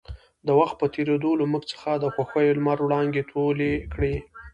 د وخـت پـه تېـرېدو لـه مـوږ څـخـه د خـوښـيو لمـر وړانـګې تـولې کـړې.